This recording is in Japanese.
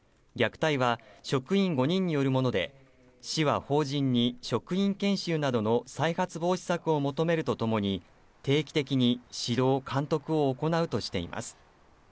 虐待は職員５人によるもので、市は法人に職員研修などの再発防止策を求めるとともに、定期的に指導・監督を行うとしています。